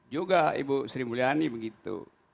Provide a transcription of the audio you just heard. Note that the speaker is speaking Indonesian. juga ibu sri mulyani begitu